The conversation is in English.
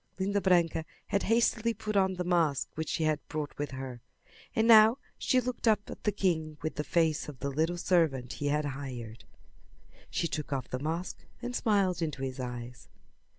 Linda Branca had hastily put on the mask which she had brought with her, and now she looked up at the king with the face of the little servant he had hired. She took off the mask and smiled into his eyes.